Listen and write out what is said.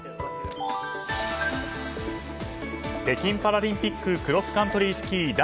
北京パラリンピッククロスカントリースキー